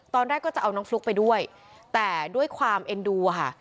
ตอนแรกก็จะเอาน้องฟลุ๊กไปด้วยแต่ด้วยความเอ็นดูอะค่ะ